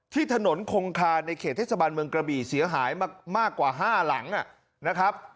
ที่ถนนคงคาในเขตเทศบาลเมืองกระบี่เสียหายมากกว่า๕หลังนะครับ